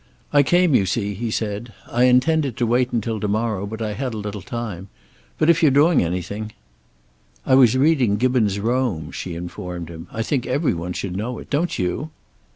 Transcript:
"I came, you see," he said. "I intended to wait until to morrow, but I had a little time. But if you're doing anything " "I was reading Gibbon's 'Rome,'" she informed him. "I think every one should know it. Don't you?"